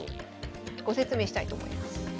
ご説明したいと思います。